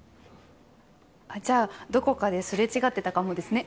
じゃあどこかですれ違ってたかもですね。